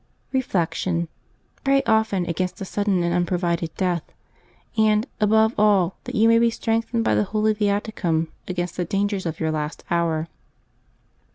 Reflection. — Pray often against a sudden and unpro vided death; and, above all, that you may be strengthened by the Holy Viaticum against the dangers of your last hour.